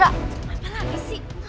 apa lagi sih